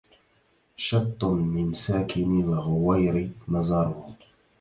شط من ساكن الغوير مزاره